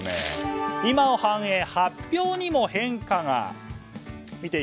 今を反映、発表にも変化が。